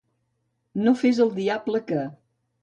No fes el diable que.